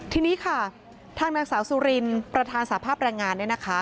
ทีนี้ค่ะทางนางสาวสุรินประธานสภาพแรงงานเนี่ยนะคะ